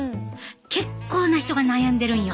結構な人が悩んでるんよ。